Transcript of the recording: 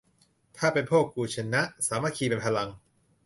ถ้าเป็น พวกกูชนะ สามัคคีเป็นพลัง